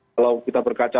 kalau kita berkaca